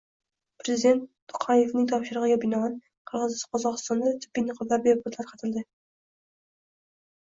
Prezident Tokayevning topshirig'iga binoan, Qozog'istonda tibbiy niqoblar bepul tarqatildi